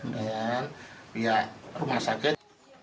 dan biaya rumah sakit